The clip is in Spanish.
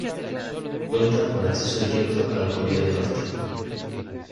Cuenta con acceso directo a la Autovía del Norte.